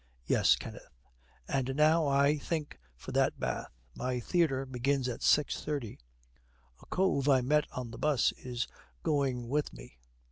'Yes, Kenneth.' 'And now, I think, for that bath. My theatre begins at six thirty. A cove I met on a 'bus is going with me.'